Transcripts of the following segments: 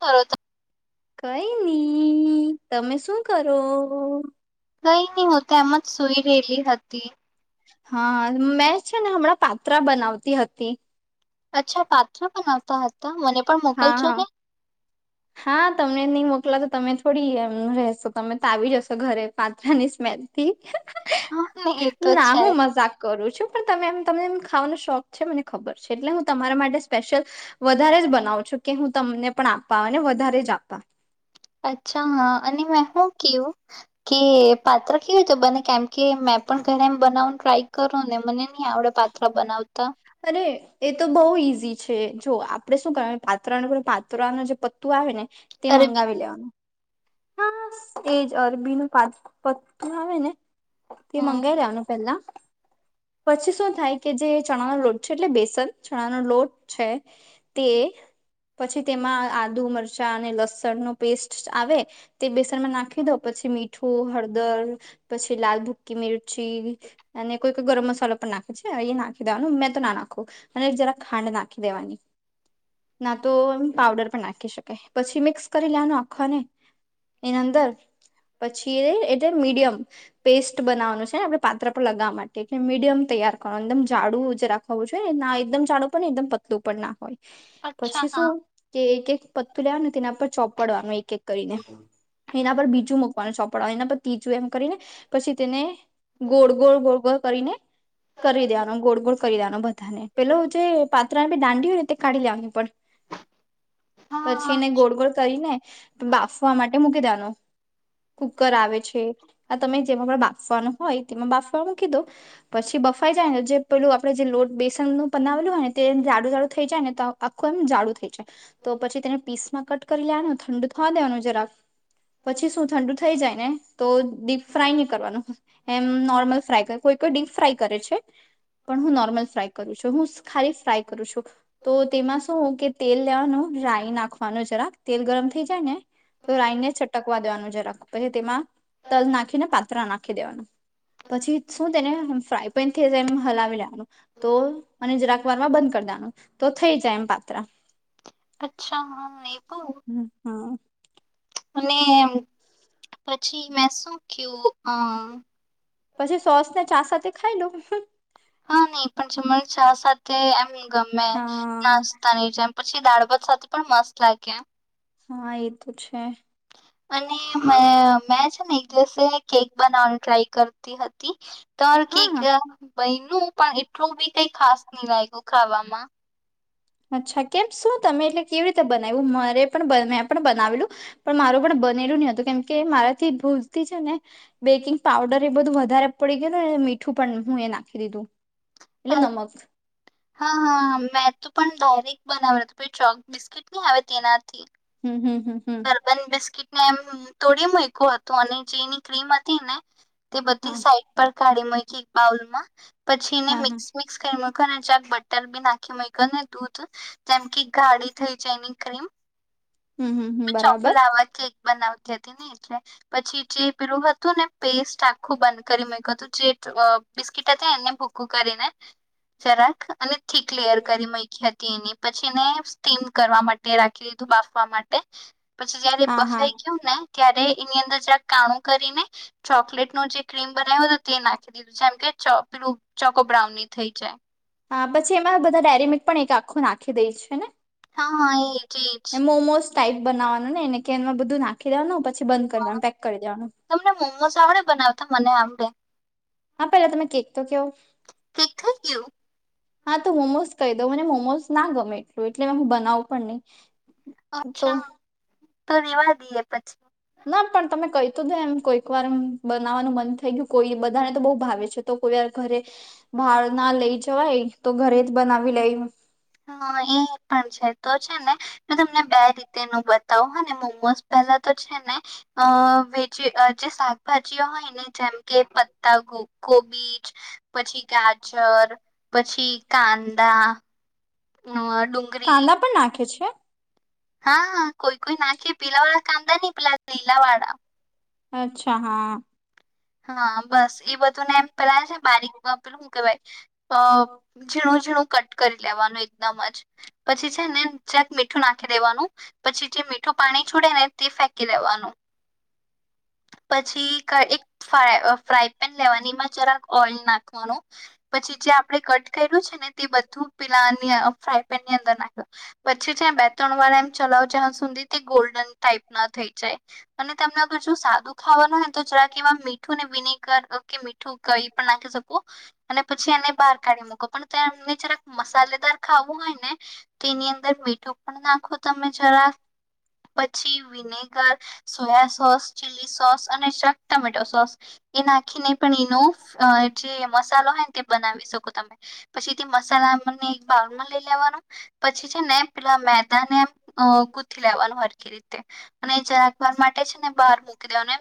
કરો તો કઈ ની તમે શું કરો? કઈ નહી હું તો એમ જ સૂઈ રેલી હતી. હા મેં છે ને હમણાં પાત્રા બનાવતી હતી અચ્છા પાત્ર બનાવતા હતા મને પણ હા મોકલજો હા ને હા તમને નહી મોકલા તો તમે થોડી એમ રહેશો તમે તો આવી જશો ઘરે પાત્રળા ની સ્મેલ હા ને એ તો ના છે. હું મજાક કરું છું પણ તમ તમનેમ ખાવાનો શોખ છે મને ખબર છે એટલે હું તમારા માટે સ્પેશિયલ વધારે બનાવું છો કે હું તમને પણ આપા અને વધારે જ આપા અચ્છા હા અને મેં શું કવું કે પાત્ર કેવું છે બને કેમ કે પણ ઘરે એમ બનાવનું ટ્રાય કરો ને મને નહ આવડે પાથા બનાવતા અરે એ તો બહુ ઈઝી છે જો આપડે શું કરવા પાત્રા પાત્રળાનું જે પત્તું આવે ને તે અરે બી મંગાવી લેવાનું હા એજ અરબી નું પત્ર આવે ને તે મંગાવ લેવાનું પેલા હ પછી શું થાય કે જે ચણાનો લોટ છે એટલે બેસન ચણાનો લોટ છે તે પછી તેમાં આદુ મરચાં અને લસણ નો પેસ્ટ આવે તે બેસનમાં નાખી દો પછી મીઠું હળદર પછી લાલ ભૂક્કી મિરચી અને કોઈ ગરમ મસાલો પણ નાખે છે એહી નાખી દેવાનું મેં તો નાખું અને જરા ખાંડ નાખી દેવાની ના તો એ પાવડર પણ નાખી શકાય પછી મિક્સ કરી લેનું આખોને એના અંદર પછી એટલે મીડિયમ પેસ્ટ બનાવવાનું છે ને આપડણે પાત્ર પર લગાવવા માટે એટલે મીડિયમ તૈાર કર એકમ ઝડું જે રાખવાું છે ને ના એકદમ જાડું પણ ને એકદમ પતલું પણ ના હોય અચ્છા પછી શું હા કે એક એક પતું લાવ ને તેના પર ચોપડવાનું એક એક કરીને ને સોપડને પ તીજું એમ કરીને પછી તેને ગોળ ગોળ ગોળ ગોળ કરીને કરી દેવાનો ગોળ ગોળ કરી દેવાનો બધાને પેલો જે પાત્રાનેી દાંડી હોય ને તે કાઢી લેવાની પણ હા પછી હા. એને ગોળ ગોળ કરી ને બાફ મકી દે કુકર આવે છે આ તમે જેમાં બા બાફવાનું હોય તેમાં બાફવા મૂકી દો પછી બફાઈ જાયને જે પેલું આપડે જે લોટ બેસન ન બ ને તે જાડું જાડું થઈ જાય ને તો આખું એમ જાડું થઈ જાય તો પછી તેને પીસમાં કટ કરી લેવાનું ઠંડુ થવા દેવાનું જ રાક પછી શું ઠંડુ થઈ જાય ને તો ડીપ ફ્રાય નહી કરવાનું એમ નોર્મલ ફ્રાય કર કોઈ કોઈ ડીપ ફ્રાય કરે છે પણ હું નોર્મલ ફ્રાય કરું છું હું ખાલી ફ્રાય કરું છું તો તેમાં શું કે તેલ લેવાનું રાઈ નાખવાનું જરાક તેલ ગરમ થઈ જાય ને તો રાઈને છટકવા દેવાનું જરાક પછી છે તેમાં તલ નાખીને પાત્રરા નાખી દેવાનું. પછી શું તેને ફ્રાય પેન થઈ એમ હલાવી લેવાનું તો જરાક વાર માં બંધ કર તો થઈ જાય એમ પાત્રા. અચ્છા હા મેદુ હા અને પછી મેં શું કયું આમ પછી સોસ ને ચા સાથે ખાઈ લોઉ હમ્મ. હા નહી પણ જમને ચા સાથે એમ ગમે હા નાસ્તાની જેમ. પછી દાળભાત સાથે પણ મસ્ત લાગે. હા એ તો છે. અને મે મેં છે ને જેસે કેક બનાવવાનું ટ્રાય કરતી હતી તો કેક હા બયનું પણ એટલું બી કઈ ખાસ નહી લાગ્યું ખાવામાં અચ્છા કેમ શું તમે એટલે કેવી રીતે બનાવ્યું મારે પણ મેં પણ બનાવેલું પણ મારું પણ બનેલું નહી હતું કેમ કે મારાથી ભૂલતી છે ને બેકિંગ પાવડર એ બધું વધારે પડી ગયું તું ને મીઠું પણ હું એ નાખી દીધું એટલે નમક હા-હા મે તો પણ ડાયરેક્ટ બનાવે તો ચોક બિસ્કીટ નહી આવે તેના હમ્મ-હમ્મ-હમ્મ-હમ્મ. ને એમ તોડી મૂક્યું હતું અને જેની ક્રીમ હતી ને તે હા બધી સાઈડ પર કાઢી મૂકી એક બાઉલ માં પછી એને હા હા મિક્સ મિક્સ કરી એમાં ચક બટર બી નાખી મૂક્યા ને દૂધ જેમ કે ગાળી થઈ જાય એની ક્રીમ. હમ હમ હમ મેં ચોકો બરાબર લાવા કેક બનાવતા ને એટલે પછી જે પીલું હતું ને પેસ્ટ આખું બંધ કરી મેકયુ હતું જે બિસ્કીટ હતા એને ભૂકું કરીને જરાક અને થીક ક્લિયર કરી મૂકી હતી એની. પછી એને ને સ્ટીમ કરવા માટે રાખી દીધું બાફવા માટે. પછી જયારે હા હા બફાઈ ગયું ને ત્યારે એની અંદર જ્યાં કાણું કરીને ચોકલેટ નુ જે ક્રીમ બનાવ્યો હતો તે નાખી દીધું જેમ કે. ચોક બ્લુ ચોકો બ્રાઉનની થઈ જાય. હા પછી એમાં બધા ડાયરીમિક પણ એક આખું નાખી દે છે ને! હા-હા એ. મોમોસ ટાઈપ બનાવાનું ને એને કે એમાં બધું નાખી દેવાનું પ પછી બંધ કરી વાનું પેક કરી દેવાનું. તમને મોમોસ આવડે બનાવતા મને આવડે હા પેલા તમે કેક તો કેવો. ઠીક થઈ ગયું હા તો મોમોઝ કહી દઉં મને મોમોસ ના ગમે એટલું એટલે હું બનાવું પણ નહી. તો અચ્છા તો રેવા દઈએ પછી. ના પણ તમે કહી દો એમ કોઈક વાર બનાવાનું મન થઈ ગયું કોઈ બધાને તો બહુ ભાવે છે તો કોઈ વાર ઘરે બહાર ના લઈ જવાય તો ઘરે જ બનાવી લઈ. હા એ પણ છે તો છે ને તમને બે રીતે નુ બતાવો હને મોમોસ એનો તો છે ને વેજી જે શાકભાજી હોય ને જેમ કે પત્તા ગો કોબીચ પછી, ગાજર પછી, કાંદા ડુંગળી કાંદા પણ નાખે છે. હા હ કોઈ કોઈ નાખે પીલા વાળા કાદા નહી પેલા લીલા વાળા. અચ્છા હા. હા બસ એ બધું ને એમ પેલા છે બારીક પેલું હુ કે વાય અ ઝીણું ઝીણું કટ કરી લેવાનું એકદમ જ પછી છેને જક મીઠું નાખી દેવાનું પછી જે મીઠું પાણી છોડે આપડેને ફેકી દેવાનું [inaudible] પછી કા એક ફ્રા ફ્રાય પેન લેવાની એમાં જરાક ઓઈલ નાખવાનું પછી જે આપડે કટ કર્યું છે. બધું પેલાની ફાય પેનની અંદર નાખ્યો પછી જ્યા બે ત્રણ વાળા એમ ચલાવ જ ધી ગોલ્ડન ટાઈપ ના થઈ જાય અને તમને અગર જો સાદું ખાવાનું હોય તો જરાક એવા મી મીઠૂ ને વિને કર ઓ મીઠું કઈ પણ નાખી શકો અને પછી એને બહાર કાઢી મકો પણ તમને જરાક મસાલેદાર ખા વુ હોય ને તેની અંદર મીઠો પણ નાખો તમે જરાક. પછી vinegar soya sauce chilli sauce અને ટમેટો સોસ. એ નાખીને પણ એનો જે મસાલો હોય ને તે બનાવી શકો તમે પછી તે મસાલા તો એમને બાળમાં લઈ લેવાનું પછી છે ને એ પેલા મેદા ને એમ ગૂથી લેવાનું હરખી રીતે. અને જરાક વાર માટે છે ને બહાર દેવાનું એમ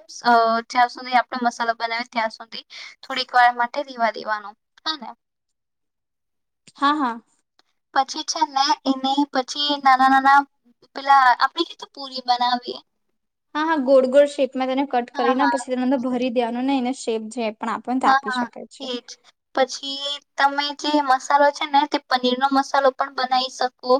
જ્યાં સુધી આ મસાલા બનાવી ત્યાં સુધી થોડીક વાર માટે દીવા દેવાનું. હાને. હા-હા. પછી છે ને એને પછી નાના નાના પેલા આપણેે કેવી તો પુરી બનાવીએ. હા હા ગોળ ગોળ શેપમાં તેને કટ હા કરીને હા પછી તેને તો ભરી દેનું ને એને શેપ જે પણ આપણને તે હા આપી હા શકે છે એજ પછી તમે જે મસાલો છે ને તે પનીર નો મસાલો પણ બનાવી શકો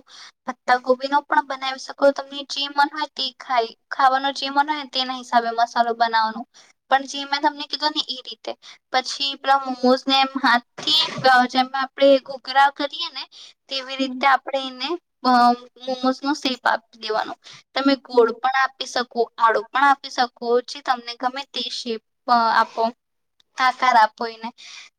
પત્તા ગોબી નો પણ બનાવી શકો તમને જે મન હોય તે ખાય ખાવાનું જે મન હોય તેના હિસાબે મસાલો બનાવો. પણ જે મેં તમને કીધું ને ઇ રીતે પછી પેલા મોમોઝને એમ હાથ થી જેમાં આપણેે ઘુઘરા કરીએ ને. તેવી હમ, રીતે આપણે એને મોમોઝ નો સેપ આપી દેવાનો. તમે ગોળ હમ, પણ આપી શકો આળુ પણ આપી શકો. તમને ગમે તે શેપ આપો. હા સર આપો એને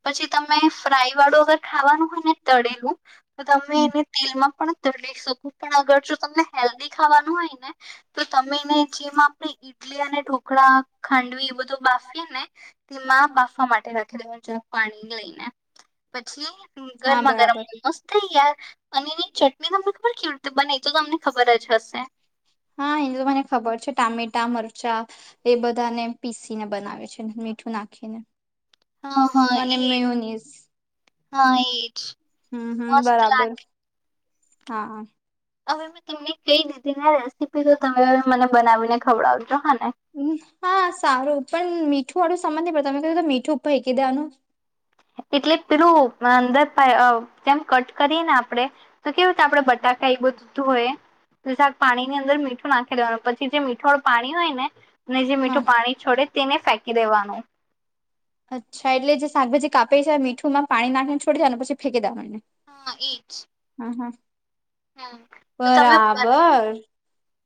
પછી તમે ફ્રાઈ વાળું અગર ખાવાનું હોય ને તળેલું તો તમે હમ. એને તેલમાં પણ તો તળી શકો પણ અગર જો તમને હેલ્ધી ખાવાનું હોય ને તો તમે એને જેમાં ઈડલી અને ઢોકળા ખાંડવી એ બધો બાફીએ ને તેમાં બાફવા માટે રાખ પાણી લઈને પછી હા ગરમા ગરમ બરાબર મોમોસ ત્યાર. અને એની ચટણી તમને ખબર કેવી રીતે બને તો તમને ખબર જ હશે. હા એ તો મને ખબર છે ટામેટા મરચા એ બધાને પીસી ને બનાવે છે. મીઠું નાખીને. હા હા અને એજ મેયોનીઝ હા એજ. હમ્મ હમ્મ મસ્ત લાગે બરાબર હા. હવે મે તમને કઈ દીધી ને રેસીપી તો તમે મને બનાવીને ખવડાવજો. હા ને હા સારું પણ મીઠું વાળું સામાન નહી પડે તમે કયુ તો મીઠું ફેકી દેવાનું. [inaudible] એટલે પીલું અંદર જેમ કટ કરીએ ને આપડે તો કેવું આપડે બટાકા એ બધું હોય તોાક પાણી ની અંદર મીઠું નાખી લેવાનું પછી જે મીઠો પાણી હોય ને ને જે હા મીઠું પાણી છોડે તેને ફેંકી દેવાનું. અચ્છા એટલે જે શાકભજી કાપે છે મીઠુંમાં પાણી નાખીને છોડી દાયને પછી ફેંકી દેવાનુ. હા એ જ હ તમે બરાબર.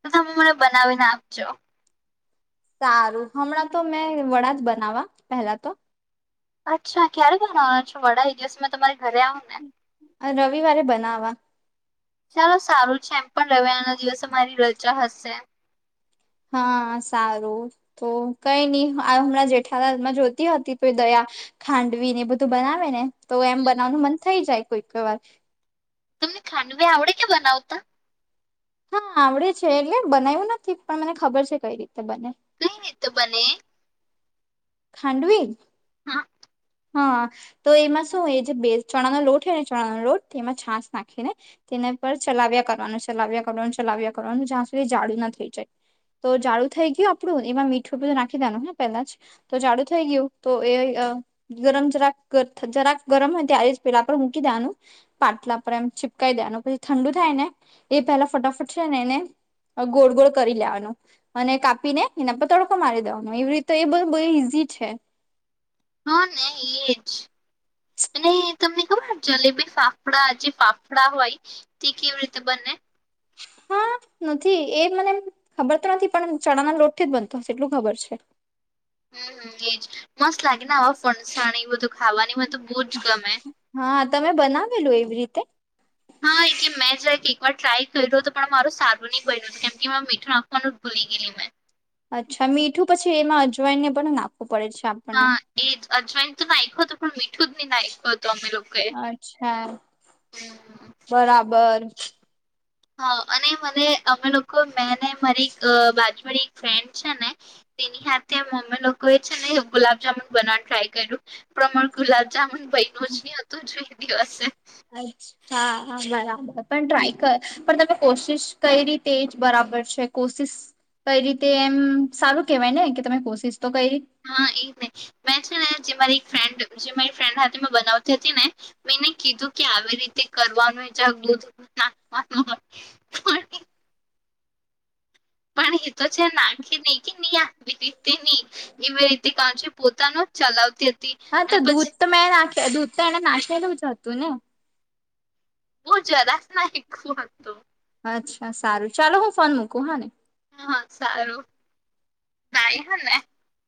તો તમે મને બનાવીને આપજો. સારું હમણાં તો મેં વડા જ બનાવા પેલા તો અચ્છા ક્યારે બનવાના છો વડા એ દિવસ મે તમારી ઘરે આવું ને રવિવારે બનાવા ચાલો સારું છે, એમ પણ રવિવારના દિવસે મારી રજા હશે હા સારું તો કઈ ની આ હમણાં જેઠાલાલમાં જોતી હતી તો દયા ખાંડવીને એ બધું બનાવેને તો એમ બનાવવાનું મન થઈ જાય કોઈ કોઈ વાર તમને ખાંડવી આવડે કે બનાવતા? હા આવડે છે, એટલે બનાવ્યું નથી પણ મને ખબર છે, કઈ રીતે બને [unintelligible] બને? ખાંડવી? હા. હ તો એમાં શું હોય એ જે બેઝ ચણા નો લોટ હોય ને ચણાનો લોટ તેમાં છાસ નાખીને તેના પર ચલાવ્યા કરવાનું ચલાવ્યા કરવાનું ચલાવ્યા કરવાનું જ્યાં સુધી જાડુ ના થઈ જાય. તો જાડુ થઈ ગયું આપણું એમાં મીઠું બધું નાખી દેવાનું હાઆ પેલા જ તો જાડુ થઈ ગયું તો એ અ ગરમ જરાક થ જરાક ગરમ હોય ત્યારે જ પેલા પર મૂકી દે ડેવાનું પાટલા પર એમ છીપકાઈ દેવાનું પછી ઠંડુ થાયને એ પેલા ફટાફટ છે ને એને ગોળ ગોળ કરી લેવાનું અને કાપીને એના પર તડકો મારી દેવાનો એવી રીતે એ બ બો ઇઝી છે. હને એજ અને તમને ખબર? જલેબી ફાફડા જે ફાફડા હોય તે કેવી રીતે બને? ખાલી હા નથી એ મને એમ ખબર તો નથી પણ આમ ચણાના લોટથી જ બનતો હશે એટલું ખબર છે. હમ હમ એજ મસ્ત લાગેને આવા ફણસાણ એ બધું ખાવાની મ તો બવ જ ગમે હા તમે બનાવેલું એવી રીતે હા એટલે મેં જ એક વાર ટ્રાય કર્યું હતુ પણ મારું સારું ની બયનુ કેમ કે એમાં મીઠું નાખવાનું જ ભૂલી ગેલી મેં અચ્છા મીઠું પછી એમાં અજવાઇનને પણ નાખો હા એજ અજવાયન તો નાયખોતો પણ મીઠું જ ની નાયખો અચ્છા બરાબર હા અને મને અમે લોકો મેં ને મારી અ બાજુવાળી એક ફ્રેન્ડ છે ને તેની હાથે મમ્મી લોકોએ છે, ને ગુલાબજામુન બનાવાનું ટ્રાય કર્યું પર અમારું ગુલાબજામુન બઈનુંજ ની હતું જે દિવસે અચ્છાઆ હા બરાબર પણ ટ્રાય કર પણ તમે કોશિશ કયરી તે જ બરા બર છે, કોશિસ કયરી તે એમ સારું કેવાય ને કે તમે કોશિસ હા એ જ ને મેં છે ને જે મારી એક ફ્રેન્ડ જે મારી ફ્રેન્ડ હાથે મેં બનાવતી હતી ને મેં એને કીધું કે આવી રીતે કરવાનું જાગ [inaudible] પણ એ તો છે, નાખી નહી કે નહી આવી રીતે ની એવી રીતે કણ [unintelligible] છે, પોતાનું ચલાવતી. હતી હા તો અને પછી દૂધ તો મેં નાખ દૂધ તો એને નાખેલું જ હતું ને બો જરાસ નાયખુ હતું. અચ્છા સારું ચાલો હું ફોન મૂકું હા ને હા હા સારું નાઈ હને